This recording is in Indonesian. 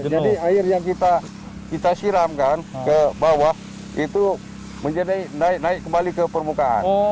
jadi air yang kita siramkan ke bawah itu naik kembali ke permukaan